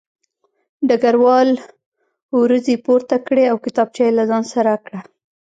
ډګروال وروځې پورته کړې او کتابچه یې له ځان سره کړه